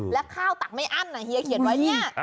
แล้วข้าวตักไม่อั้นเฮียเขียนไว้เนี่ย